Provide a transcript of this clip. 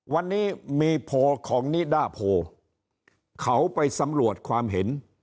วันนี้มีโพลของนิดาโพเขาไปสำรวจความเห็น